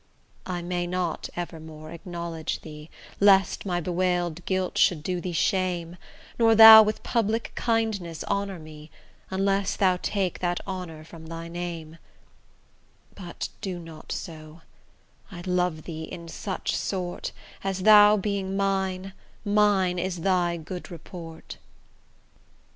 I may not evermore acknowledge thee, Lest my bewailed guilt should do thee shame, Nor thou with public kindness honour me, Unless thou take that honour from thy name: But do not so, I love thee in such sort, As thou being mine, mine is thy good report.